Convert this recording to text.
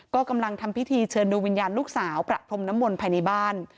ก็กำลังทำพิธีเชิญดูวิญญาณลูกสาวประพรมน้ำมนต์ภายในบ้าน